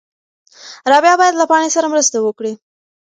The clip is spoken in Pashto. رابعه باید له پاڼې سره مرسته وکړي.